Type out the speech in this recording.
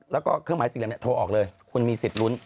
แล้วก็เครื่องหมายสี่เหลี่ยโทรออกเลยคุณมีสิทธิ์ลุ้น